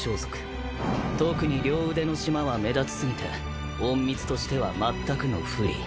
特に両腕のしまは目立ちすぎて隠密としてはまったくの不利。